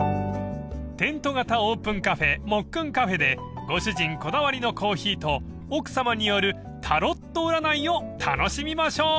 ［テント型オープンカフェもっくんカフェでご主人こだわりのコーヒーと奥さまによるタロット占いを楽しみましょう］